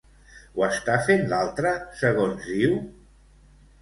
Ho està fent l'altre, segons diu?